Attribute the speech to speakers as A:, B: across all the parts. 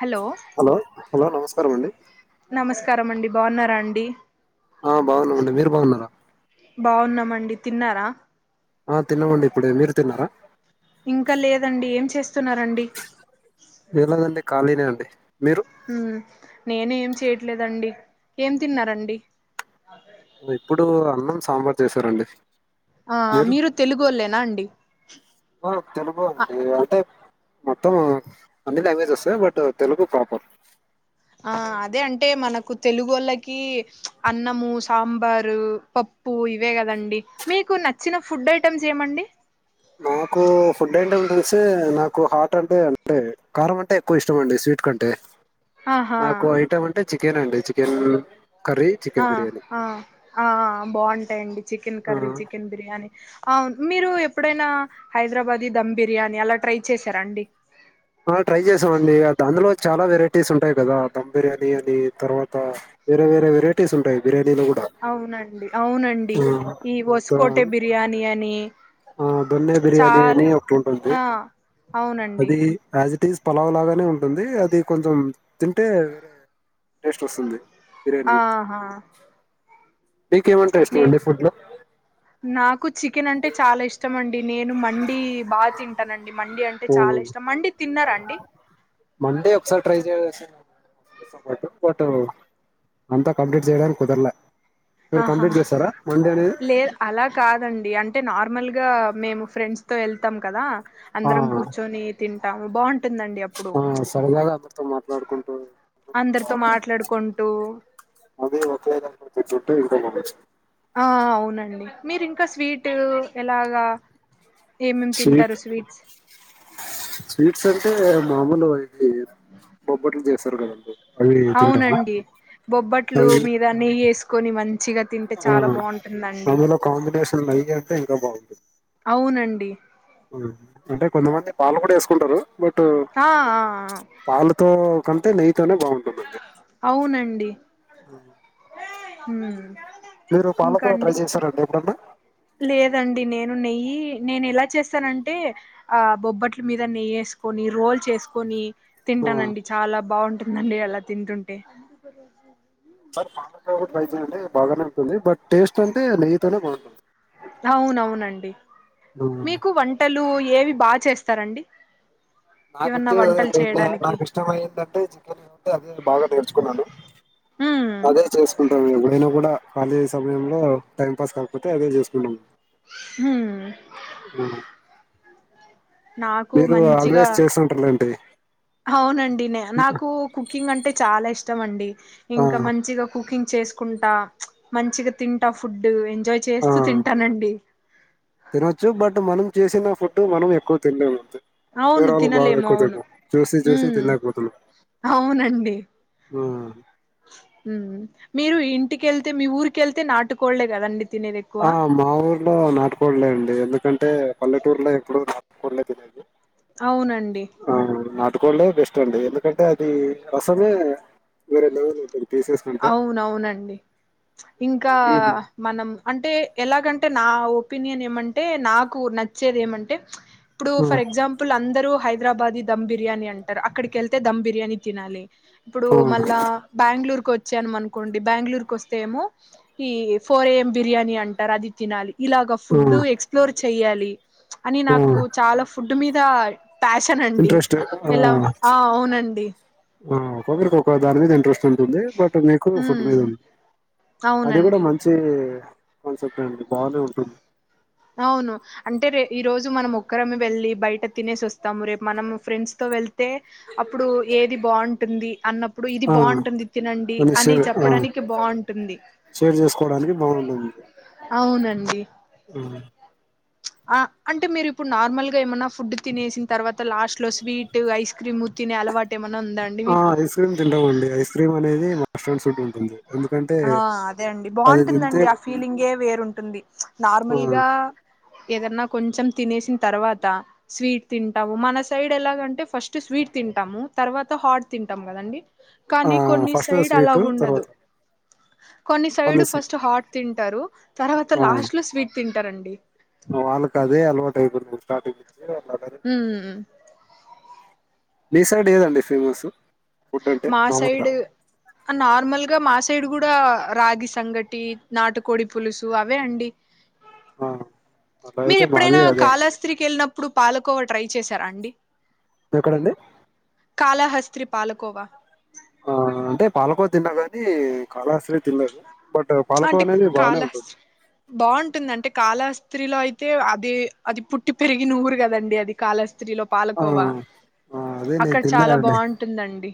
A: Hello
B: hello hello నమస్ స్కారం అండి
A: నమస్కారం అండి బాగున్నారా అండి
B: ఆ బాగున్నామండి మీరు బాగున్నారా
A: బాగున్నామండి తిన్నారా
B: ఆ తినమండి ఇప్పుడేమీరు తిన్నారా
A: ఇంకా లేదండి ఏం చేస్తున్నారండి
B: ఏం లేదండి ఖాళీనే అండి మీరు
A: ఉమ్ నేనేఏం చే చేయట్లేదండి ఏం తిన్నారండి
B: ఇప్పుడు అన్నం సాంబార్ చేసారండి
A: ఆ మీరు తెలుగోల్లేనా అండి
B: ఆ తెలుగు అండి అంటే మొత్తం అన్నీ లాంగ్వేజస్ వసయ్ బట్ తెలుగు ప్రపర్
A: ఆ అదే అంటే మనకు తెలుగు ఓళ్ళకి అన్నము సాంబారు పప్పు ఇవే కదండి మీకు నచ్చిన ఫుడ్ ఐటెమ్స్ ఏమండి
B: నాకు ఫుడ్ ఏంట ఉంటుే నాకు హార్ట్ అంటే అంటే కారం అంటే ఎక్కువ ఇష్టం అండి స్వీట్ కంటే
A: ఆహా
B: నాకు ఐటమ్ అంటే చే చికెన్ అండి చికెన్ కర్రీ
A: ఆ
B: చికెన్ బిర్యానీ
A: ఆ ఆ బాగుంటాయండి చికెన్ కర్రీ
B: ఆ
A: చికెన్ బిర్యానీ అవును మీరు ఎప్పుడైనా హైదరాబాధీ ధమ్ బిర్యానీ అలా ట్రై చేసారా అండి
B: ఆ ట్రై చేసామండి దా అందులో చాలా వెరైటీస్ ఉంటాయి కదా దధమ్ బిర్యానీ అని తర్వాత వేరే వేరే వెరైటీస్ ఉంటాయి బిర్యా
A: అవునండి అవునండి ఈ
B: దా
A: వసుకోటె బిర్యాని అని
B: ఆ దొన్నె బిర్యానీ
A: చాల్
B: అని ఒకటుంటుంది
A: ఆ అవునండి
B: అది ఆజ్ ఇట్ ఈస్ పలావ్ లాగానే ఉంటుంది అది కొంచెం తింటే వేరే టేస్ట్ వస్తుంది. బిర్యానీ
A: ఆహా
B: మీకేమంటే
A: నే
B: ఇష్టం అండి ఫుడ్ లో
A: నాకు చికెన్ అంటే చాలా ఇష్ టమండి నేను మండి బాగా తింటానండి మండి అంటే
B: ఓ
A: చాలా ఇష్టం మండి తిన్నారా అండి?
B: మండే ఒకసారి [inaudible] బట్ అంతా కంప్లీట్ చేయడానికి కుదర్లా
A: ఆహా లేద్ అలా కాదండి అంటే నార్మల్ గా మేము ఫ్రెండ్స్ తో ఎళ్తాం కదా!
B: ఆ
A: అందరం కూర్చొని తిన్ టాము బాన్
B: ఆ సరదాగా అందరితో మాట్లాడుకుంటు తింటుంటే బా
A: అందరితో
B: [unintelligible]
A: మాట్లాడుకుంటూ
B: అదీ ఒకే విదంగా [unintelligible] కె ఉంటాయి నాన్వేజ్.
A: ఆ అవునండి మీరింకా స్వీటు ఎలాగా? ఏమేమి
B: స్వీట్
A: తింటారు స్వీట్స్
B: స్వీట్స్ అంటే మామూలు ఇది బొబ్బట్లు చేస్తారు కదండి? అవి తింటాము
A: అవునండి బొబ్బట్లు
B: అవి
A: మీద నెయ్యేసుకొని మన్
B: ఆ అందులో కాంబినేషన్ నయ్య టె ఇంకా బాగుంటున్
A: అవునండి.
B: అంటే కొంతమంది పాలు కూడ ఏసుకుంటారు. బట్టు
A: ఆ ఆ ఆ!
B: పాలతో కంటే నై
A: అవునండి.
B: అవు
A: మ్మ్
B: మీరు పాలకూర ట్రై చేసారా అండి ఎప్పుడన్నా
A: ను నెయ్యి నేను ఎలా చేస్తానంటే ఆ బొబ్బట్లు మీద నెయ్యేసుకొని, రోల్ చేసుకొని
B: ఆ,
A: తింటానండి చాలా బావుంటున్ మళ్ళీ అలా తింటుంటే.
B: సర్ అట్లగూడ ట్రై చేయండి బాగానే ఉంటుంది. బట్, టేస్ట్ అంటే నెయ్యితోనే బావుంటుంది.
A: అవునవునండి
B: ఉమ్.
A: మీకు వంటలు లు ఏవి బాగా చేస్తారండి
B: నాకు
A: ఏమన్నా
B: వచ్చేదే
A: వంటలు
B: ప్రజ్ఞ
A: చేయడానికి
B: నాకు ఇష్టం అయందంటే చికెన్ అంటే అదే బాగా నేర్చుకున్నాను
A: ఉమ్
B: అదే చేసుకుంటాను నిన్న కూడా కాలేజీ సమయంలో టైం పాస్ కాకపోతే అదే చేసుకుంటాం
A: హు
B: మీరు ఆల్వేజ్ చేస్తుంటారులేంటి
A: అవునండి న నాకు కుకింగ్ అంటే చాలా ఇష్టం ఇష్టంమండి
B: ఆ
A: ఇంకా మంచిగా కుకింగ్ చేసుకు కుంట మంచిగా తింటా ఫుడ్ ఎంజాయ్
B: ఆ
A: చేస్తూ తింటానండి
B: తినొచ్చు బట్ మనం చేసిన ఫుడ్ మనం ఎక్కువ తినలేము అంతే
A: అవును
B: వేరే వాళ్ళకి బాగా
A: తినలేము
B: ఎక్కువ
A: అవును
B: తింటాం చూసి
A: ఉ
B: చూసి తినలేకపోతున్నాం
A: అవునండి
B: ఆ
A: ఉహు మీరు ఇంటికెళ్తే మీ ఊరికెళ్తే నాటుకోడలే కదండి తినేది ఎక్కువ
B: ఆ మా ఊర్లో నాటుకోడులే అండి ఎందు ఎందుకంటే పల్లెటూరులో ఎప్పుడడు నాటు కోడ్లే తినేధి
A: అవునండి
B: నాటుకోడ్లే బెస్ట్ అండి ఎందుకంటే అది రసమే వేరే లెవెల్ ఉంటుంది పీసెస్ కంటే
A: అవునవునండి ఇంకా
B: అవి
A: మనం అంటే ఎలాగంటే నా ఒపీనియన్ ఏమంటే నాకు నచ్చేది ఏమంటే ఇప్పుడు
B: ఆ
A: ఫర్ ఎగ్జాంపుల్ అందరూ హై దరాబాది దమ్ బిర్యానీ అంటరు అక్కడికెళ్తే దమ్ బిర్యానీ తినాలి ఇప్పుడు
B: ఆ
A: ళ్లా బ్యాంగళూరు కు వచ్చానం అనుకోండి బ్యాంగళూరుకొస్తే ఏమో ఈ ఫోర్ ఏఎం బిర్యానీ అంటారు అది తినాలి ఇలాగా ఫుడ్డు
B: ఆ
A: ఎక్స్ప్లోర్ చెయ్యాలి అని నాకు
B: ఆ
A: చాలా ఫుడ్ తుమ్మిదా ప్యాషన్ అండి
B: ఇంట్రెస్ట్ ఆ,
A: ఎలా ఆ అవునండి
B: ఆ ఒకరికి కొకదానిమీద ఇంట్రేస్ట్ ఉంటుంది బట్ మీకు ఫుడ్
A: ఉమ్
B: మీద ఉంది అది కూడా
A: అవునండి
B: మంచి కాన్సెప్ట్ అండి బానే ఉంటుంది
A: అవును అంటే రే ఈ రోజు మనం ఒక్కరమె వెళ్ళి బయట తినేసి వస్తాము రేపు మనం ఫ్రెండ్స్ తో వెళ్తే అప్పుడు ఏది బావుటుంది అన్నప్ ఇప్పుడు ఇది
B: ఆ,
A: బావుంటుంది తినండి
B: మన
A: అని
B: షేర్ ఆ,
A: చెప్పడానికి బావుంటుంది
B: షేర్ చేసుకోవడానికి బాగుంటుంది
A: అవునండి. అ అంటే మీరు ఇప్పుడు నార్మల్ గా ఏమన్నా ఫుడ్ తినేసిన తర్వాత లాస్ట్ లో స్వీట్, ఐస్ క్రీమ్ తినే అలవాటు ఎమ్
B: ఆ ఐస్ క్రీమ్ తింటామండి ఐస్ క్రీమ్ అనేది మస్ట్ అండ్ షూడ్ ఉంటుంది ఎందుకంటే
A: ఆ అదే అండి
B: అది తింటే
A: బావుంటుందండి ఆ ఫీలింగే వేరుంటుంది నార్మల్గా ఏదన్నా కొంచెం తినేసిన తర్వాత స్వీట్ తింటాము మన సైడ్ ఎలాగంటే ఫస్ట్ స్వీట్ తింటాము తర్వాత హాట్ తింటాము కదండీ కాని కొన్ని
B: ఫస్ట్
A: సైడ్
B: స్వీట్
A: అలాగుండదు
B: తర్వాత
A: కొన్ని సైడ్ ఫస్ట్ హాట్ తింటారు తర్వాత లాస్ట్ లో స్వీట్ తిన్ ట్టారండి
B: వాల్ కదే అలువాట్ అయిపోతుంది స్టార్టింగ్ ఏదో అట్లా
A: ఉమ్
B: మీస్సైడ్ ఏదండి ఫేమస్ ఫుడ్ అంటే
A: మా
B: మామూలుగా
A: సైడ్ నార్మల్ క మా సైడ్ కూడా రాగి సంగటి నాటుకోడి పులుసు అవే అండి
B: ఆ, అలా
A: మీరు
B: అయితే మాది
A: ఎప్పుడైనా
B: అదే
A: కాళాస్త్రీకి వెళ్ళినప్ ఇప్పుడు పాలకోవ ట్రై చేశారా అండి
B: ఎక్కడండి
A: కాలహస్త్రీ పాలక్ కోవా
B: ఆ అంటే పాలకో తిన్నా గాని కాళస్త్రీ తినలేదు బట్ పాలకోవ
A: అంటే
B: అనేది బాగానే ఉంటుంది
A: కాలస్త్రీ బాగుంటుందంటే కాలాస్త్రీలో అయితే అదీ అది పుట్టి పెరిగిన ఊరు కదండి అది కాలాస్ త్రిలో
B: ఆ
A: పాలకోవా
B: ఆ అదే నేను
A: అక్కడ చాలా
B: తిన్నానండి
A: బాగుంటుందండి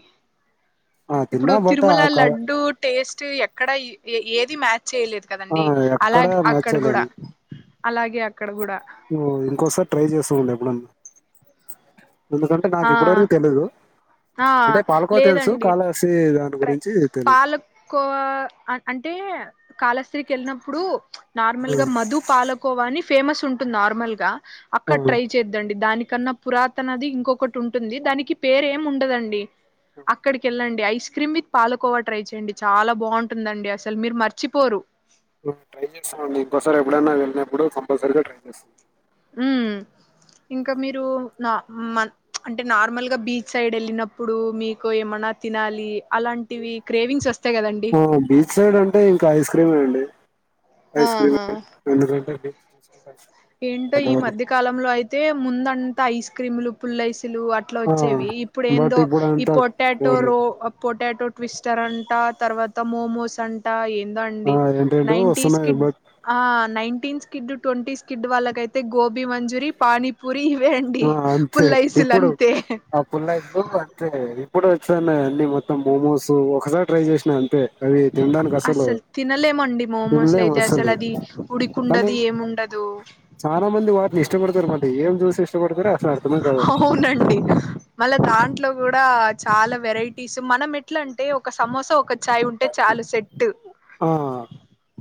B: ఆ
A: ఇప్పుడు
B: తిన్నా బట్
A: తిరుమల
B: ఆ కా
A: లడ్డు టేస్ట్ ఎక్కడ ఏ ది మ్యాచ్ చేయలేదు
B: ఆ
A: కదండి
B: ఎక్కడ
A: అలాగ
B: మ్యాచ్
A: అక్కడ కూడా
B: చేయలేము
A: అలా
B: నువ్వు ఇంకోసారి ట్రై చేస్త ఉండు ఎప్పుడన్నా చిక్ చిక్ ఎందుకంటే నాకు
A: ఆ
B: ఇప్పుడువరకు తెలీదు
A: ఆ
B: అంటే పాలకోవ తెలుసు
A: లేదండి
B: కాళహస్తి దాని
A: ట్రై
B: గురించి తెలీదు
A: పాలకోవా అంటే కాలస్ త్రీకి వెళ్ళినప్పుడు నార్మల్ గా మధు పాలకోవ అని ఫేమస్ ఉంటుంది నార్మల్గా
B: ఆ
A: అక్కడ ట్రై చేద్దండి దాని కన్నా పురాతనది ఇంకొకటి ఉంటుంది దానికి పేరు ఏం ఉం ఉండదండి అక్కడికి వెళ్ళండి ఐస్ క్రీమ్ మీ పాలుకోవా ట్రై చేయయండి చాలా బాగుంటుందండి అసలు మీరు మర్చిపోరు
B: నుప్పుడు కంపల్సరీగా ట్రై చేస్తాను
A: ఉమ్ ఇంకా మీరు నా అంటే నార్మల్గా బీచ్ సైడ్ వెళ్ళినప్పుడు మీకు ఏమన్నా తినాలి అలాంటివి క్రేవింగ్స్ వస్తా
B: ఆ బీచ్ సైడ్ అంటే ఇంకా ఐస్ క్రీమ్ ఏ అండి ఐస్ క్రీమే
A: ఆహా
B: ఎందుకంటే బీచ్ చూసుకుంటే ఐస్
A: ఏంటో ఈ
B: క్రీమ్
A: మధ్యకాలంలో అయితే ముంద అంతా ఐస్ క్రీములు పుల్ల ఐస్ క్రీమ్ లు అట్
B: ఆ
A: వచ్చేవి ఇప్పుడు
B: బట్
A: ఏందో
B: ఇప్పుడు
A: ఈ
B: అంతా
A: పొటాటో
B: కోలు
A: రో పొట్ టాటో ట్విస్టర్ అంట తర్వాత మోమోస్ అంట ఇది
B: ఆ
A: అండి
B: ఏంటేంటో
A: నైన్ంటిస్
B: వస్తున్నాయి
A: కిడ్
B: బట్
A: ఆ నైన్టీన్స్ కిడ్ ట్వంటీ స్కిడ్ వాళ్ళకైతే గోబీ మంజూరి పానీపూరి ఇవే అండి
B: ఆ అంతే
A: పుల్లైసులు
B: ఇప్పుడు
A: అంతే
B: ఆ పుల్లాయిలు అంతే ఇప్పుడు వచ్చిందిన్నా అన్నీ మొత్తం మోమోస్ ఒకసారి ట్రై చేసినా అంతే అవి తినడానికి
A: అసలు తినలేమండి మమోస్లు అయితే అసలు అది
B: కానీ
A: ఉడికిండదు ఏముండదు
B: చాలా మంది వాటిని ఇష్టపడతారు మద ఏం చూసి తోటకూర చారు
A: అవునండి మళ్ళా దాంట్లో కూడా చాలా వెరైటీస్ మనం ఎట్లా అంటే ఒక సమోసా ఒక చాయ్ ఉంటే చాలు సెట్
B: ఆ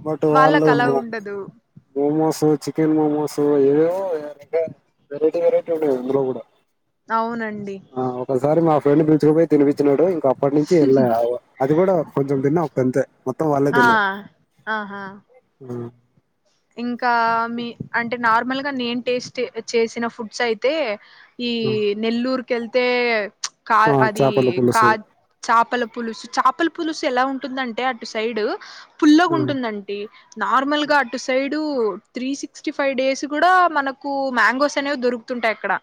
B: బట్ వాళ్ళు
A: వాళ్ళకు అలా
B: మో
A: ఉండదు
B: మోమోస్ చికెన్ మోమోసు ఏవో రం వెరైటీ వెరైటీ ఉండే ఇందులో కూడా
A: అవునండి
B: ఆ ఒకసారి మా ఫ్రెండ్ పిలుచుకుపోయి తినిపచ్చినాడు ఇంక అప్పటి నుంచి వెళ్ళ అది కూడా కొంచెం తిన్నా ఒకంతే మొత్తం వాళ్ళే
A: ఆ
B: తిన్నారు
A: ఆహా ఇంకా మీ అంటే నార్మల్ గా నేను టేస్ట్ చేసిన ఫుడ్స్ అయితే ఈ
B: ఉమ్.
A: నెల్లూర్ కళ్తే కా
B: ఆ,
A: అది
B: చేపల
A: కా
B: పులుసు
A: చేపల పులుసు చేపల పులుసు ఎలా ఉంటుందంటే అటు సైడ్ పుల్లోగా
B: ఉమ్,
A: ఉంటుందంటడి నార్మల్ గా side three sixty five days కూడా మనకు మ్యాంగోస్ అనేవి దొరుకుతుంటాయి అక్కడ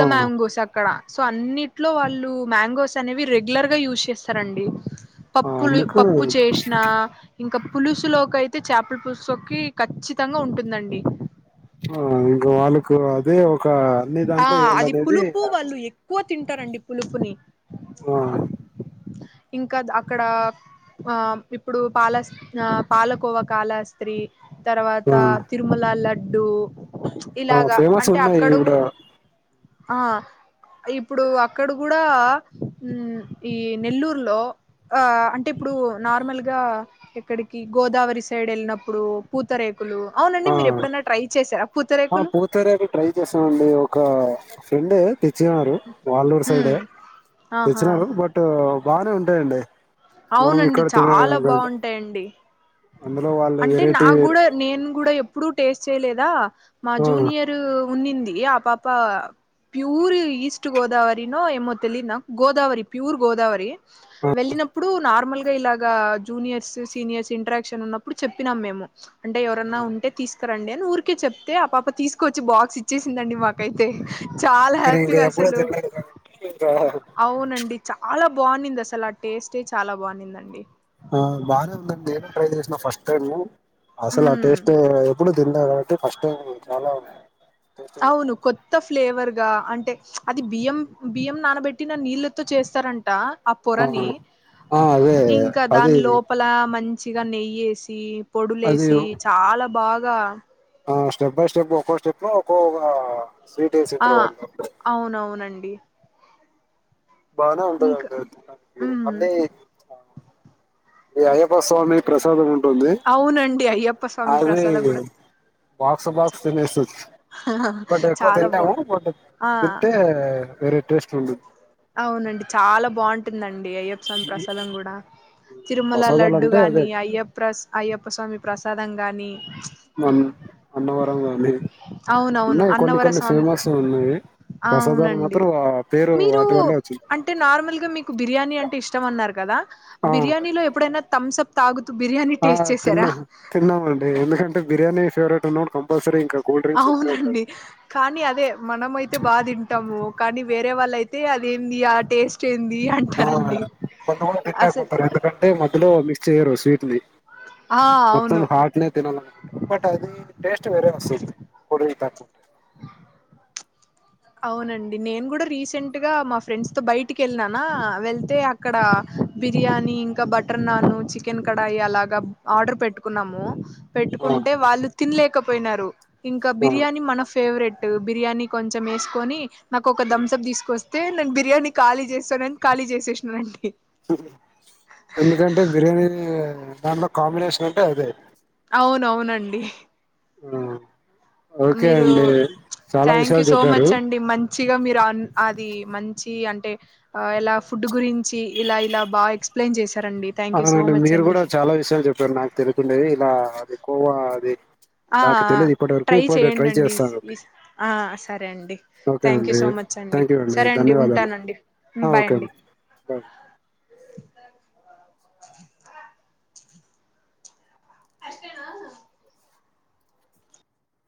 B: ఆ,
A: మ్యాంగోస్ అక్కడ సో అన్నింటిలో వాళ్ళు మ్యాంగోస్ అనేవి రెగ్యులర్గా యూస్ చేస్తారండి
B: ఆ,
A: పప్పులు
B: అందుకు
A: పప్పు చేసిన ఇంక పులుసులో కైయితే చేపల పులుసు లోకి ఖచ్చితంగా ఉంటుందండి
B: ఆ ఇంక వాళ్ళకు అదే ఒక అన్ని
A: ఆ
B: దాంట్లో
A: అది
B: ఏయలనేది అనేది
A: పులుపు వాళ్ళు ఎక్కువ తింటారండి పులుపుని
B: ఆ
A: ఇంకా అక్కడ ఆ ఇప్పుడు పాల పాలకోవ కాళహస్తి తర్వాత తిరుమల లడ్డూ డ్డు
B: ఆ ఫేమస్ ఉన్నాయి ఈవిడ
A: ఆ ఇప్పుడు అక్కడ కూడా ఈ నెల్లూరులో ఆ అంటే ఇప్పుడు నార్మల్గా ఎక్కడికి గోదావరి సైడ్ వెళ్ళినప్పుడు పూతరక్ కులు అవునండి
B: ఆ,
A: మీరు ఎప్పుడైనా ట్రై చేసారా
B: ఆ పూతరేకులు ట్రై చేసామండి ఒక ఫ్రెండే తెచ్చినారు వాళ్ళూరు సైడే
A: మ్ ఆహా
B: తెచ్చినారు బట్ బానే ఉంటాయండి మనం
A: అవునండి
B: ఇక్కడ తినే
A: చాలా బాగుంటాయండి
B: అందులో వాళ్ళు
A: అంటే
B: వెరైటీ
A: నాకు కూడా నేను కూడా ఎప్పుడు టేస్ట్ చేయలేదా మా
B: ఆ, ఆ,
A: జూనియర్ ఉన్నింది ఆ పాప ప్యూర్ ఈస్ట్ గోదావరినో ఏమో తెలియద్ నాక్ గోదావరి ప్యూర్ గోదావరి వెళ్లిన నార్మల్ గా ఇలాగా జూనియర్స్ సీనియర్స్ ఇంటరాక్షన్ ఉన్నప్పుడు చెప్పినాం మేము అంటే ఎవరన్నా ఉంటే తీస్క రండి అని ఊరికే చెప్తే ఆ పాప తీసుకొచ్చి బాక్స్ ఇచ్చేసిందండి మాకైతే చాలా
B: నేను ఇంక
A: హ్యాపీగా
B: ఎప్పుడూ
A: అసలు
B: తినలేదు కాబట్టి ఇంకా
A: అవునండి చాలా బావునింది అసల ఆ టేస్టే చాలా బావునిందండి
B: ఆ బాగా నేను ట్రై చేసిన ఫస్ట్ టైమ్ అసలు ఆ
A: ఉమ్
B: టేస్టే వేరే లెవ్ ఎప్పుడు దింద టేస్టీగా ఉంది
A: అవును కొత్త ఫ్లేవర్ ఆ అంటే అది బియ్యం బియ్యం నానబెట్టిన నీళ్ళతో చేస్తార ట ఆ పొరని
B: ఆ అదే
A: ఇంకా
B: అది
A: దాని లోపల మం చిగా నెయి ఏసి పొడులే
B: అది
A: లెసి చాలా బాగ్ గ
B: ఆ స్టెప్ బై స్టెప్ ఒక్కో స్టెప్ ఒక్కో లా
A: ఆ అవునవునండి
B: బానే
A: ఇంకా
B: ఉంటదండి
A: ఉమ్
B: మండి ఈ అయ్యప్ప స్వామి ప్రసాదం టుంది
A: అవునండి అయ్యప్ప స్వామి
B: అది
A: ప్రసాదం కూడా
B: బాక్స్ బాక్స్ తినేస్తు బట్ ఎక్కువ
A: చాలా బా
B: తింటాము బట్
A: ఆ
B: తింటే వెరీ టేస్ట్ ఉహు
A: అవునండి చాలా బాగుంటుందండి మీ అయ్యప్ప స్వామి ప్రసాదం కూడా తిరుమల
B: ప్రసాదాలు
A: లడ్డు
B: అంటే అదే
A: గాని అయ్యప్ప ప్రస్ అయ్యప్ప స్వామి ప్రసాదం గానీ
B: అన్నవరం గానీ
A: అవునవును
B: ఉన్నాయి కొన్ని
A: అన్నవర
B: కొన్ని
A: స్వామి
B: ఫేమస్ ఉన్నాయి ప్రసాదాలు మాత్రం ఆ పేరు
A: కు
B: వల్లే వచ్చింది
A: అంటే నార్మల్ గా మీకు బిర్యానీ అంటే ఇష్టం అన్నారు గదా
B: ఆ
A: బిర్యానీలో ఎప్పుడైనా తమ్స్ అప్ తగ్
B: ఆ తిన్నా తిన్నామండి ఎందుకం బిర్యాని ఫేవరెట్ కంపల్సరి ఇక
A: అవునండి కానీ అదే మనమై తే బా తింటాము కానీ వేరే వాళ్ళు అయితే అదింది ఆ టేస్ట్ ఏం
B: ఆ కొంతమంది
A: అసలు
B: తినకుంటారు ఎందుకంటే మధ్యలో చేయరు స్వీట్ది
A: ఆ
B: మత్తం
A: అవును
B: హాట్నే తినాల అకుంటారు బట్ అది టేస్ట్ వేరే వస్తుది కొడి త
A: అవునండి నేను కూడా రీసెంట్ గా మా ఫ్రెండ్స్ తో బయటికి వెళ్ళిననా వెళ్తే అక్కడ బిర్యాని ఇంకా బటర్ నాన్ చికెన్ కడాయి అలాగా ఆర్డర్ పెట్టుకున్నాము
B: ఆ
A: పెట్టుకుంటే వాళ్ళు తినలే కపోయినారు ఇంకా
B: ఆ
A: బిర్యానీ మన ఫేవరెట్ బిర్యానీ కొంచెం వేసుకొని నాకు ఒక థమ్స అప్ తీసుకొస్తే నేను బిర్యానీ ఖాళీ చేస్తానని ఖాళీ చేసేసినానుండి
B: ఎందుకంటే బిర్యానీ దాంట్లో కాంబినేషన్ అంటే అదే
A: అవునవునండి
B: ఆ ఓకే
A: మీరు
B: అండి చాలా
A: థ్యాంక్ యూ
B: విషయాలు
A: సో
B: చెప్పారు
A: మచ్ అండి మంచిగా మీరు అ అది మంచి అంటే ఇలా ఫుడ్ గురించి ఇలా ఇలా బాగా ఎక్స్ప్లెయిన్ చే
B: అవునండి మీరు కూడా చాలా విషయాలు చెప్పారు నాకు తెలికు ఉండేది ఇలా అది ఎక్కువ అది
A: ఆ
B: నాకు తెలీదు ఇప్పటి వరకు.
A: ట్రై
B: ఇప్పుడు ట్రై
A: చేయండిండి
B: చేస్తానండి.
A: సరే అండి
B: ఓకే
A: థ్యాంక్ యూ
B: అండి.
A: సో మచ్ అండి
B: థ్యాంక్ యూ
A: సరే అండి
B: ధన్యవాదాలు.
A: ఉంటానండి
B: ఆ!
A: బాయ్
B: ఓకే
A: అండి
B: బాయ్.
A: అదికనా